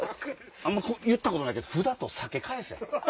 あんま言ったことないけど札と酒返せ！